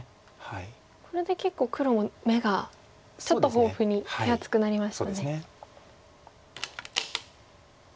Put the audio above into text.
これで結構黒も眼がちょっと豊富に手厚くなりましたね。